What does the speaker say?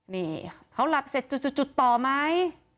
นี่เขาหลับเสร็จจุดต่อไหม